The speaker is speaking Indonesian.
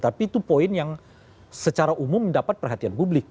tapi itu poin yang secara umum mendapat perhatian publik